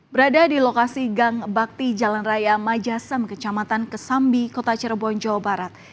berada di lokasi gang bakti jalan raya majasam kecamatan kesambi kota cirebon jawa barat